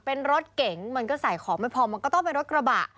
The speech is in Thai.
เป็นรถเก๋งมันก็ใส่ของไม่พอมันก็ต้องเป็นรถกระบะ